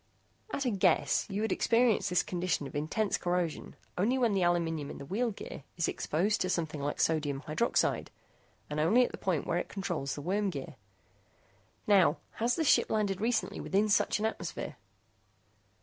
At a guess, you would experience this condition of intense corrosion only when the aluminum in the wheel gear is exposed to something like sodium hydroxide, and only at the point where it controls the worm gear. Now, has this ship landed recently within such an atmosphere?"